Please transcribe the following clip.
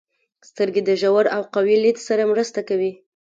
• سترګې د ژور او قوي لید سره مرسته کوي.